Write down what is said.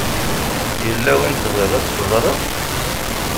Yella win i tebɣiḍ ad teẓṛeḍ?